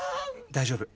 大丈夫。